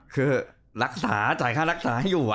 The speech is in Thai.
คือรักษาจ่ายค่ารักษาให้อยู่